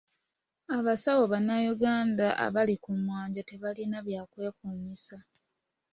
Abasawo bannayuganda abali ku mwanjo tebalina bya kwekuumisa.